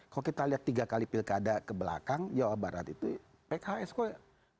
kalau kita lihat tiga kali pilkada ke belakang jawa barat itu pks kok